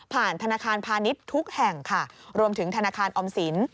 ธนาคารพาณิชย์ทุกแห่งค่ะรวมถึงธนาคารออมสิน